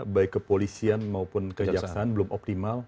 baik kepolisian maupun kejaksaan belum optimal